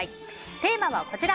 テーマはこちら。